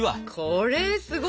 これすごいよ。